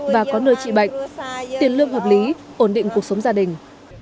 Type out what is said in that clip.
và có nơi trị bệnh tiền lương hợp lý ổn định cuộc sống gia đình